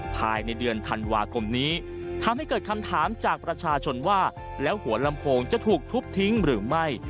ภายในเดือนธันวาคมนี้ทำให้เกิดคำถามจากประชาชนว่าแล้วหัวลำโพงจะถูกทุบทิ้งหรือไม่